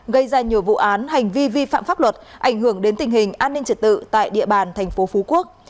gây ra nhiều vụ án hành vi vi phạm pháp luật ảnh hưởng đến tình hình an ninh trật tự tại địa bàn thành phố phú quốc